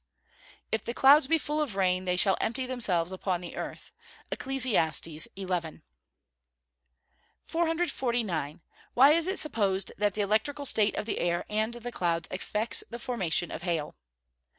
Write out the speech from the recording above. [Verse: "If the clouds be full of rain, they shall empty themselves upon the earth." ECCLES. XI.] 449. _Why is it supposed that the electrical state of the air and the clouds affects the formation of hail?